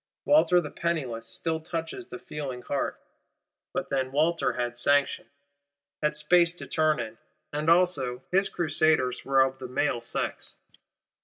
Walter the Penniless still touches the feeling heart: but then Walter had sanction; had space to turn in; and also his Crusaders were of the male sex.